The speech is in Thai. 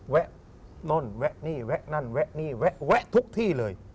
แวะนู่นแวะนี่แวะนั่นแวะนี่แวะทุกที่เลย